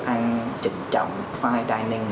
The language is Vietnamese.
ăn trịnh trọng fine dining